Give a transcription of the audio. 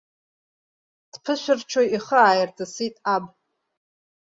Дԥышәарччо ихы ааирҵысит аб.